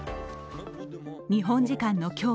日本時間の今日